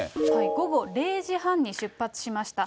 午後０時半に出発しました。